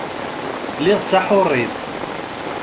Lliɣ d taḥurit.